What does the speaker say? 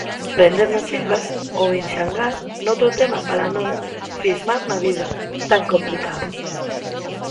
Prender nas silvas ou enxangar noutro tema para non cismar na vida, tan complicada.